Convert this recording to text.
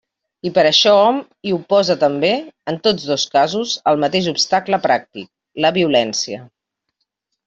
I per això hom hi oposa també, en tots dos casos, el mateix obstacle pràctic, la violència.